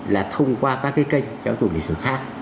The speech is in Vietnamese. là thông qua các cái kênh giáo dục lịch sử khác